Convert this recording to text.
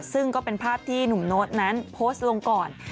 ซึ่งก็เป็นภาพที่หนุ่มโน๊ตนั้นโพสต์ลงก่อน